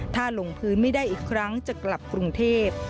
ถ้าลงพื้นไม่ได้อีกครั้งจะกลับกรุงเทพ